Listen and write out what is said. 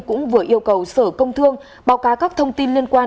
cũng vừa yêu cầu sở công thương báo cáo các thông tin liên quan